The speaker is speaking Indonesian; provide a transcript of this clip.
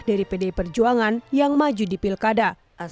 dari pdi perjuangan yang maju di pilkada